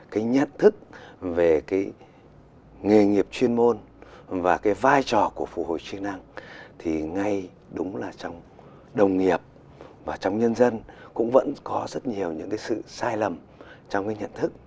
cái nhận thức về cái nghề nghiệp chuyên môn và cái vai trò của phụ hồi chức năng thì ngay đúng là trong đồng nghiệp và trong nhân dân cũng vẫn có rất nhiều những cái sự sai lầm trong cái nhận thức